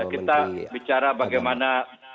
kita bicara bagaimana